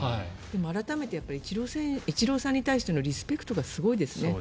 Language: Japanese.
改めてイチローさんに対してのリスペクトがすごいですね。